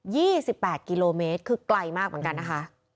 ี่สิบแปดกิโลเมตรคือไกลมากเหมือนกันนะคะ